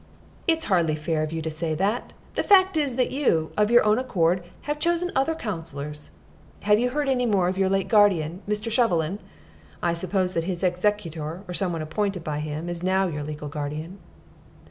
"It is hardly fair of you to say that. The fact is that you, of your own accord, have chosen other counselors. Have you heard any more of your late guardian, Mr. Shovelin? I suppose that his executor, or some one appointed by him, is now your legal guardian."